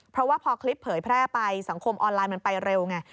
เพราะว่าพอคลิปเผยแพร่ไปสังคมออนไลน์มันไปเร็วไง